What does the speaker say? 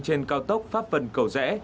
trên cao tốc pháp vân cầu rẽ